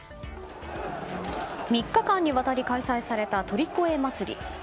３日間にわたり開催された鳥越まつり。